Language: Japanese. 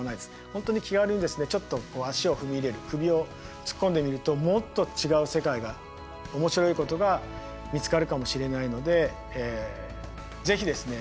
本当に気軽にですねちょっと足を踏み入れる首を突っ込んでみるともっと違う世界が面白いことが見つかるかもしれないのでぜひですね